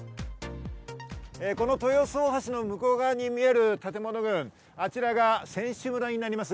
この豊洲大橋の向こう側に見える建物部分、あちらが選手村になります。